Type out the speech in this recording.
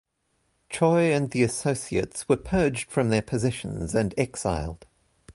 Choe and the associates were purged from their positions and exiled.